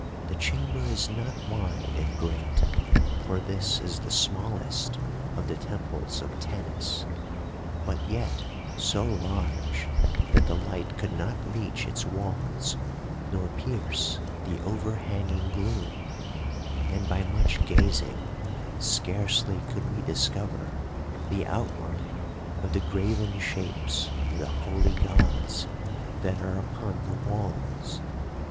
The chamber is not wide and great, for this is the smallest of the temples of Tanis, but yet so large that the light could not reach its walls nor pierce the overhanging gloom, and by much gazing scarcely could we discover the outline of the graven shapes of the Holy Gods that are upon the walls.